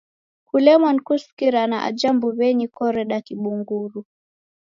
Kulemwa ni kusikirana aja mbuw'enyi koreda kibunguru.